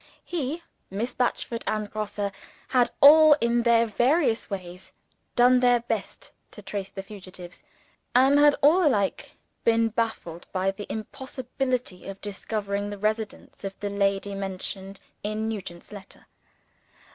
He, Miss Batchford, and Grosse, had all, in their various ways, done their best to trace the fugitives and had all alike been baffled by the impossibility of discovering the residence of the lady mentioned in Nugent's letter.